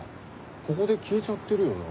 ここで消えちゃってるよな？